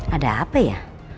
ada apa ya